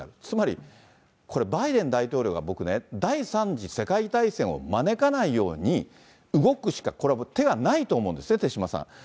つまり、これ、バイデン大統領が僕ね、第３次世界大戦を招かないように動くしかこれ、手がないと思うんですね、手嶋さん。